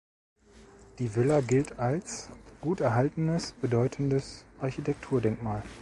Die Villa gilt als gut erhaltenes bedeutendes Architekturdenkmal.